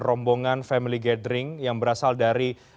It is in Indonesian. rombongan family gathering yang berasal dari